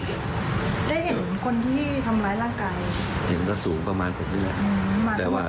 ได้พูดอะไรก่อนนะฮะ